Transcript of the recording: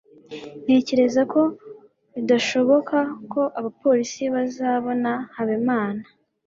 ntekereza ko bidashoboka ko abapolisi bazabona habimana